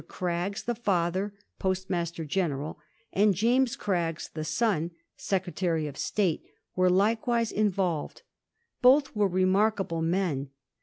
Craggs, the father, Postmaster General, and James Craggs, the son, Secretary of State, were likewise in volved. Both were remarkable men.